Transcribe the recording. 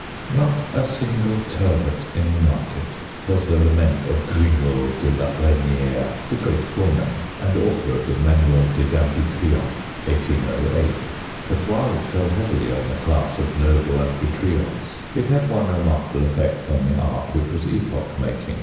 " Not a single turbot in the market," was the lament of Grimod de la Reyniere, the great gourmet, and author of the Manuel des amphitryons (1808). But while it fell heavily on the class of noble amphitryons it had one remarkable effect on the art which was epoch making.